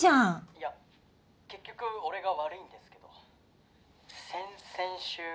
「いや結局俺が悪いんですけど」